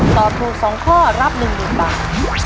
ตอบถูก๒ข้อรับ๑๐๐๐บาท